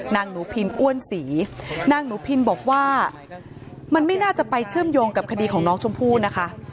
นางหนูพินอ้วนศรีนางหนูพินบอกว่ามันไม่น่าจะไปเชื่อมโยงกับคดีของน้องชมพู่นะคะ